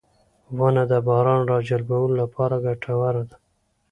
• ونه د باران راجلبولو لپاره ګټوره ده.